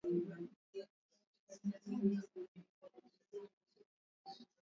Mafuta ya kupikia kiasi kidogo